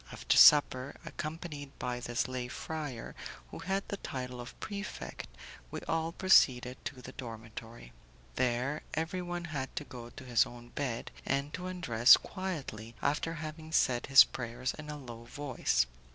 After supper, accompanied by this lay friar, who had the title of prefect, we all proceeded to the dormitory. There, everyone had to go to his own bed, and to undress quietly after having said his prayers in a low voice.